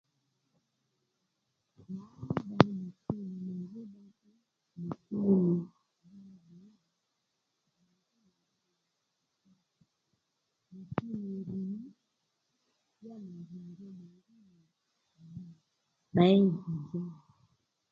wuuuuuuuuuuuuuuuuuu tdě nì